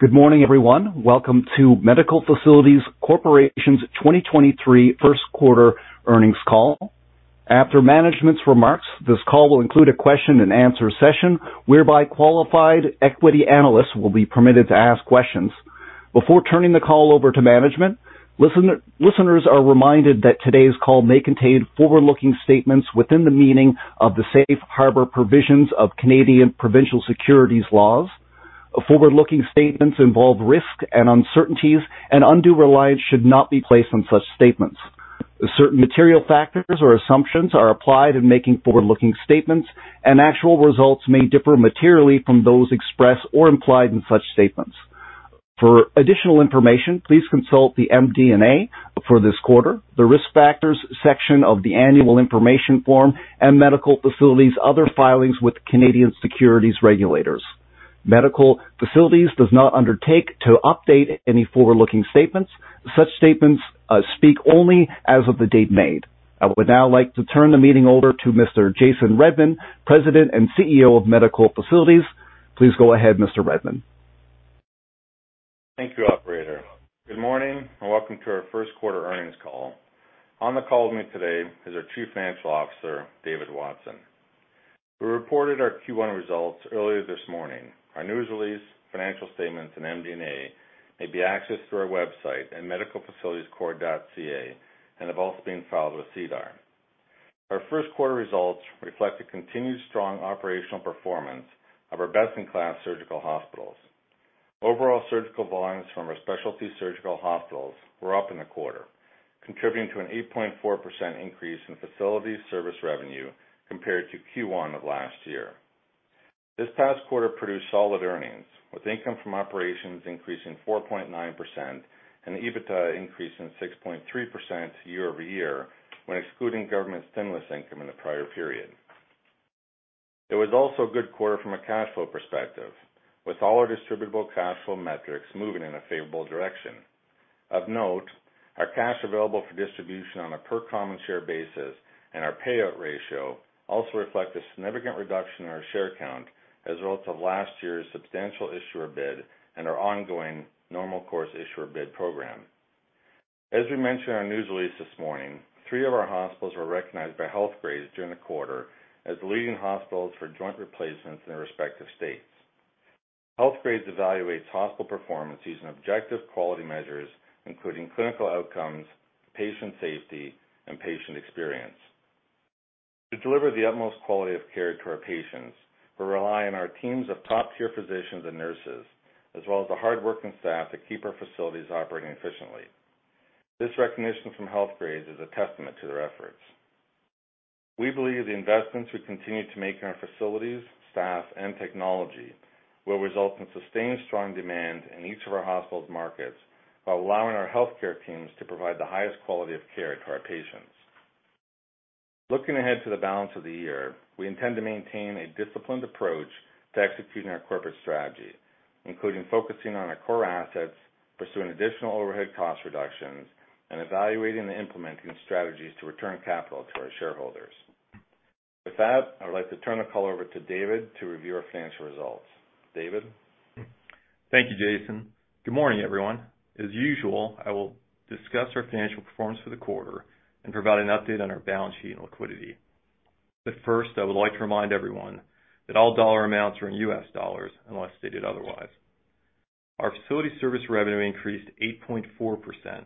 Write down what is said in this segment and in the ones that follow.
Good morning, everyone. Welcome to Medical Facilities Corporation's 2023 first quarter earnings call. After management's remarks, this call will include a question-and-answer session whereby qualified equity analysts will be permitted to ask questions. Before turning the call over to management, listeners are reminded that today's call may contain forward-looking statements within the meaning of the safe harbor provisions of Canadian provincial securities laws. Forward-looking statements involve risks and uncertainties. Undue reliance should not be placed on such statements. Certain material factors or assumptions are applied in making forward-looking statements. Actual results may differ materially from those expressed or implied in such statements. For additional information, please consult the MD&A for this quarter, the Risk Factors section of the annual information form, and Medical Facilities other filings with Canadian securities regulators. Medical Facilities does not undertake to update any forward-looking statements. Such statements speak only as of the date made. I would now like to turn the meeting over to Mr. Jason Redman, President and CEO of Medical Facilities. Please go ahead, Mr. Redman. Thank you, operator. Good morning, welcome to our first quarter earnings call. On the call with me today is our Chief Financial Officer, David Watson. We reported our Q1 results earlier this morning. Our news release, financial statements, and MD&A may be accessed through our website at medicalfacilitiescorp.ca and have also been filed with SEDAR. Our first quarter results reflect the continued strong operational performance of our best-in-class surgical hospitals. Overall surgical volumes from our specialty surgical hospitals were up in the quarter, contributing to an 8.4% increase in facilities service revenue compared to Q1 of last year. This past quarter produced solid earnings, with income from operations increasing 4.9% and EBITDA increasing 6.3% year-over-year when excluding government stimulus income in the prior period. It was also a good quarter from a cash flow perspective, with all our cash available for distribution metrics moving in a favorable direction. Of note, our cash available for distribution on a per common share basis and our payout ratio also reflect a significant reduction in our share count as a result of last year's substantial issuer bid and our ongoing normal course issuer bid program. As we mentioned in our news release this morning, three of our hospitals were recognized by Healthgrades during the quarter as leading hospitals for joint replacements in their respective states. Healthgrades evaluates hospital performance using objective quality measures, including clinical outcomes, patient safety, and patient experience. To deliver the utmost quality of care to our patients, we rely on our teams of top tier physicians and nurses, as well as the hardworking staff that keep our facilities operating efficiently. This recognition from Healthgrades is a testament to their efforts. We believe the investments we continue to make in our facilities, staff, and technology will result in sustained strong demand in each of our hospitals' markets while allowing our healthcare teams to provide the highest quality of care to our patients. Looking ahead to the balance of the year, we intend to maintain a disciplined approach to executing our corporate strategy, including focusing on our core assets, pursuing additional overhead cost reductions, and evaluating and implementing strategies to return capital to our shareholders. I would like to turn the call over to David to review our financial results. David? Thank you, Jason. Good morning, everyone. As usual, I will discuss our financial performance for the quarter and provide an update on our balance sheet and liquidity. First, I would like to remind everyone that all dollar amounts are in US dollars unless stated otherwise. Our facility service revenue increased 8.4%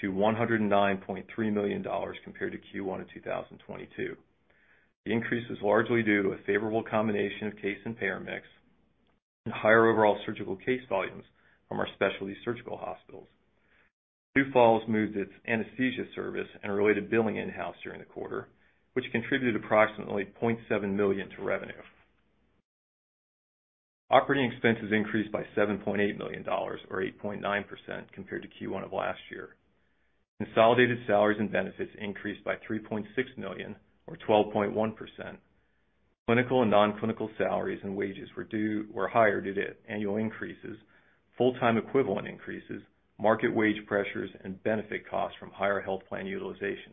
to $109.3 million compared to Q1 of 2022. The increase is largely due to a favorable combination of case and payer mix and higher overall surgical case volumes from our specialty surgical hospitals. Sioux Falls moved its anesthesia service and related billing in-house during the quarter, which contributed approximately $0.7 million to revenue. Operating expenses increased by $7.8 million or 8.9% compared to Q1 of last year. Consolidated salaries and benefits increased by $3.6 million or 12.1%. Clinical and non-clinical salaries and wages were due or higher due to annual increases, full-time equivalent increases, market wage pressures, and benefit costs from higher health plan utilization.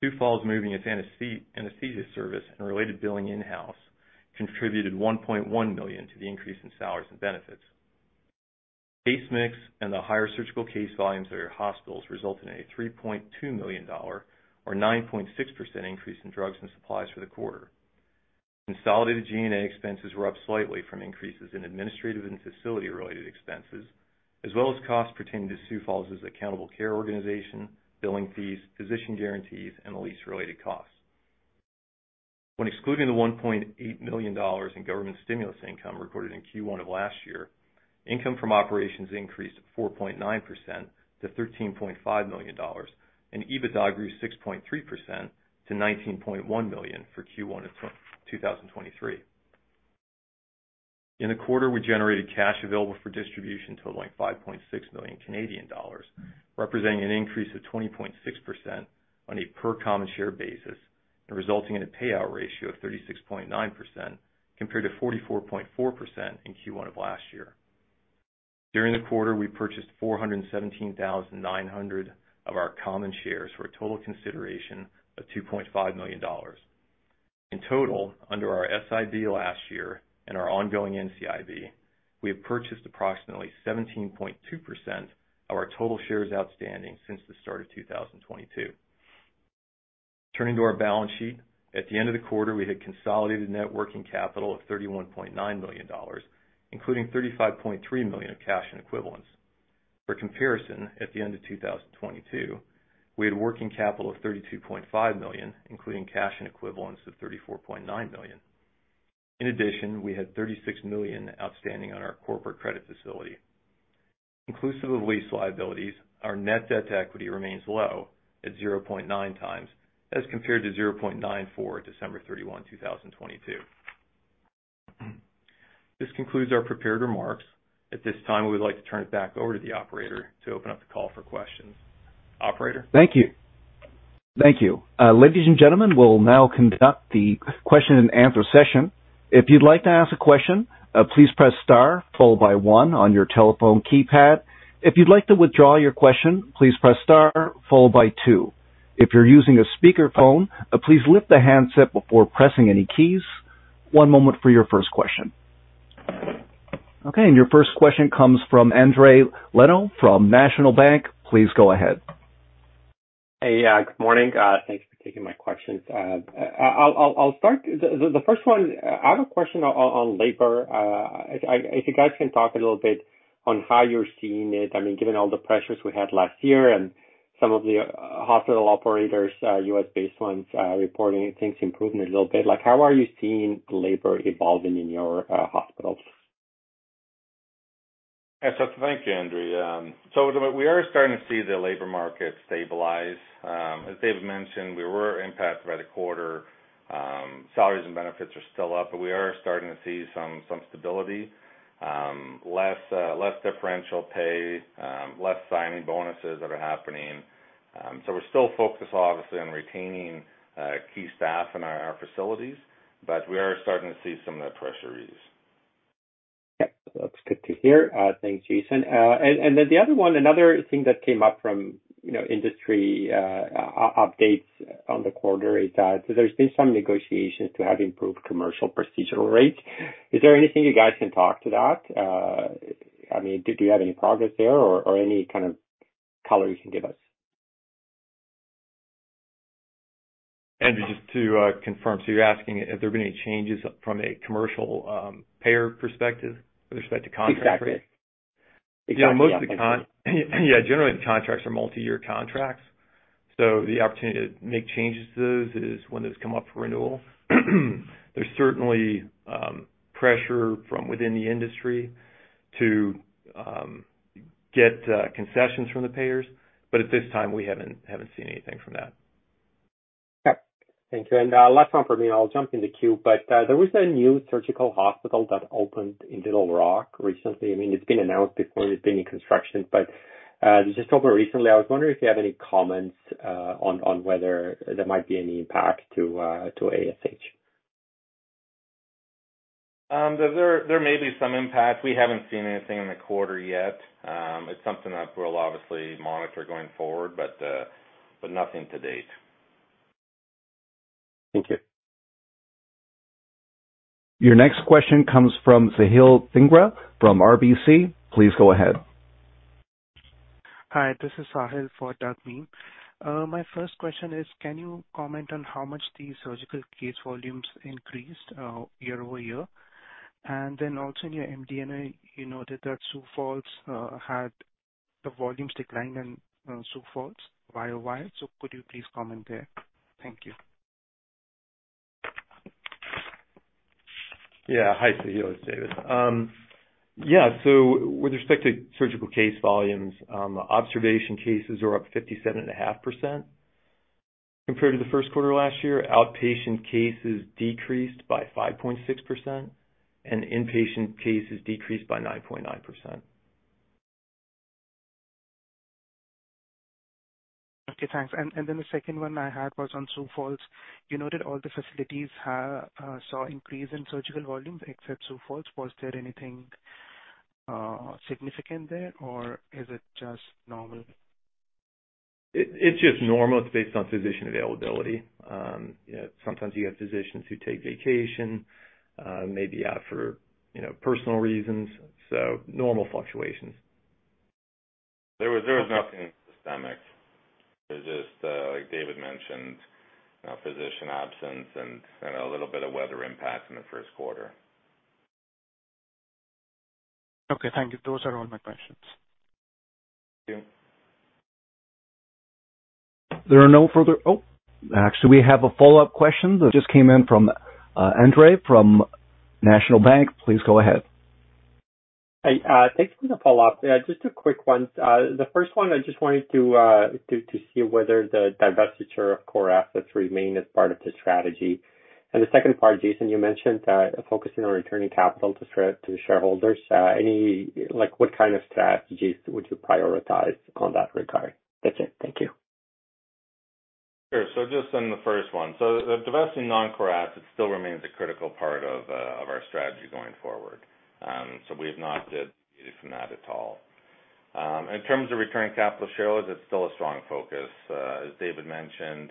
Sioux Falls moving its anesthesia service and related billing in-house contributed $1.1 million to the increase in salaries and benefits. Case mix and the higher surgical case volumes at our hospitals resulted in a $3.2 million or 9.6% increase in drugs and supplies for the quarter. Consolidated G&A expenses were up slightly from increases in administrative and facility related expenses, as well as costs pertaining to Sioux Falls' Accountable Care Organization, billing fees, physician guarantees, and lease-related costs. When excluding the $1.8 million in government stimulus income recorded in Q1 of last year, income from operations increased 4.9% to $13.5 million, and EBITDA grew 6.3% to $19.1 million for Q1 of 2023. In the quarter, we generated cash available for distribution totaling 5.6 million Canadian dollars, representing an increase of 20.6% on a per common share basis and resulting in a payout ratio of 36.9% compared to 44.4% in Q1 of last year. During the quarter, we purchased 417,900 of our common shares for a total consideration of $2.5 million. In total, under our SIB last year and our ongoing NCIB, we have purchased approximately 17.2% of our total shares outstanding since the start of 2022. Turning to our balance sheet. At the end of the quarter, we had consolidated net working capital of $31.9 million, including $35.3 million of cash and equivalents. For comparison, at the end of 2022, we had working capital of $32.5 million, including cash and equivalents of $34.9 million. In addition, we had $36 million outstanding on our corporate credit facility. Inclusive of lease liabilities, our net debt to equity remains low at 0.9 times as compared to 0.94 at December 31, 2022. This concludes our prepared remarks. At this time, we would like to turn it back over to the operator to open up the call for questions. Operator? Thank you. Thank you. Ladies and gentlemen, we'll now conduct the question and answer session. If you'd like to ask a question, please press star followed by one on your telephone keypad. If you'd like to withdraw your question, please press star followed by two. If you're using a speakerphone, please lift the handset before pressing any keys. One moment for your first question. Okay, your first question comes from Endri Leno from National Bank. Please go ahead. Hey, good morning. Thanks for taking my questions. I'll start. The first one, I have a question on labor. If you guys can talk a little bit on how you're seeing it. I mean, given all the pressures we had last year and some of the hospital operators, U.S.-based ones, reporting things improving a little bit. Like, how are you seeing labor evolving in your hospitals? Yeah. Thank you, Endri. We are starting to see the labor market stabilize. As David mentioned, we were impacted by the quarter. Salaries and benefits are still up, but we are starting to see some stability. Less differential pay, less signing bonuses that are happening. We're still focused obviously on retaining key staff in our facilities, but we are starting to see some of that pressure ease. Yeah, that's good to hear. Thanks, Jason. The other one, another thing that came up from, you know, industry updates on the quarter is that there's been some negotiations to have improved commercial procedural rates. Is there anything you guys can talk to that? I mean, did you have any progress there or any kind of color you can give us? Endri, just to confirm. You're asking if there have been any changes from a commercial payer perspective with respect to contract rates? Exactly. Exactly. Yeah, generally the contracts are multi-year contracts, so the opportunity to make changes to those is when those come up for renewal. There's certainly pressure from within the industry to get concessions from the payers. At this time, we haven't seen anything from that. Okay. Thank you. Last one for me, and I'll jump in the queue. There was a new surgical hospital that opened in Little Rock recently. I mean, it's been announced before. It's been in construction. It just opened recently. I was wondering if you have any comments on whether there might be any impact to ASH. There may be some impact. We haven't seen anything in the quarter yet. It's something that we'll obviously monitor going forward, but nothing to date. Thank you. Your next question comes from Sahil Dhingra from RBC. Please go ahead. Hi, this is Sahil for Douglas Miehm. My first question is, can you comment on how much the surgical case volumes increased YoY? Also in your MD&A, you noted that Sioux Falls had the volumes declined in Sioux Falls YoY. Could you please comment there? Thank you. Yeah. Hi, Sahil. It's David. With respect to surgical case volumes, observation cases are up 57.5% compared to the first quarter last year. Outpatient cases decreased by 5.6%, and inpatient cases decreased by 9.9%. Okay, thanks. Then the second one I had was on Sioux Falls. You noted all the facilities have saw increase in surgical volumes except Sioux Falls. Was there anything significant there, or is it just normal? It's just normal. It's based on physician availability. you know, sometimes you have physicians who take vacation, maybe out for, you know, personal reasons, so normal fluctuations. There was nothing systemic. It was just like David mentioned, physician absence and a little bit of weather impact in the first quarter. Okay. Thank you. Those are all my questions. Thank you. Oh, actually, we have a follow-up question that just came in from, Endri from National Bank. Please go ahead. Hey, thanks for the follow-up. Yeah, just a quick one. The first one, I just wanted to see whether the divestiture of core assets remain as part of the strategy. The second part, Jason, you mentioned focusing on returning capital to shareholders. Like, what kind of strategies would you prioritize on that regard? That's it. Thank you. Sure. Just on the first one. Divesting non-core assets still remains a critical part of our strategy going forward. We've not deviated from that at all. In terms of returning capital to shareholders, it's still a strong focus. As David mentioned,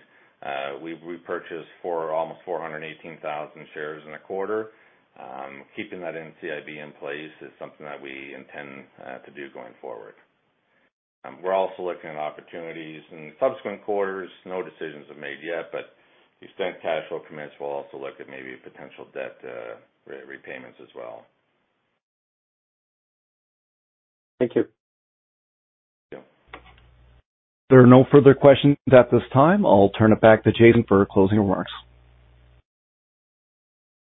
we purchased almost 418,000 shares in a quarter. Keeping that NCIB in place is something that we intend to do going forward. We're also looking at opportunities in subsequent quarters. No decisions are made yet, but the extent cash flow permits, we'll also look at maybe potential debt repayments as well. Thank you. Thank you. There are no further questions at this time. I'll turn it back to Jason for closing remarks.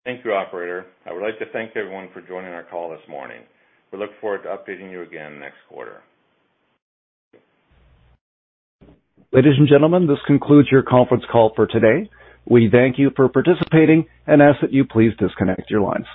Thank you, operator. I would like to thank everyone for joining our call this morning. We look forward to updating you again next quarter. Ladies and gentlemen, this concludes your conference call for today. We thank you for participating and ask that you please disconnect your lines.